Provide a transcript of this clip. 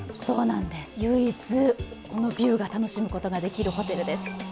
そうなんです、唯一ビューが楽しむことができるホテルです。